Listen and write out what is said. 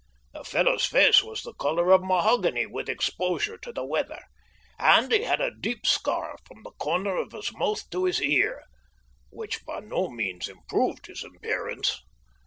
The fellow's face was the colour of mahogany with exposure to the weather, and he had a deep scar from the corner of his mouth to his ear, which by no means improved his appearance.